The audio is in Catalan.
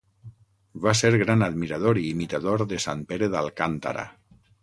Va ser gran admirador i imitador de sant Pere d'Alcántara.